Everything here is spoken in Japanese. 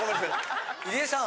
入江さん